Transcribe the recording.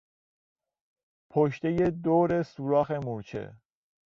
پشتهی دور سوراخ مورچه